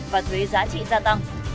và thuế giá trị gia tăng